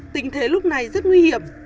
tình thế lúc này rất nguy hiểm